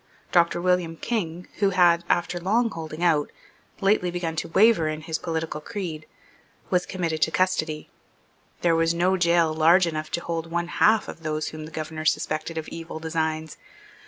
Doctor William King, who had, after long holding out, lately begun to waver in his political creed, was committed to custody. There was no gaol large enough to hold one half of those whom the governor suspected of evil designs.